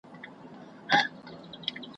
دي خو پر هغوی باندي ,